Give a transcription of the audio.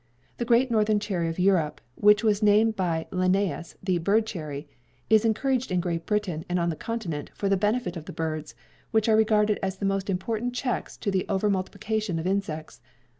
The great northern cherry of Europe, which was named by Linnaeus the 'bird cherry,' is encouraged in Great Britain and on the Continent for the benefit of the birds, which are regarded as the most important checks to the over multiplication of insects.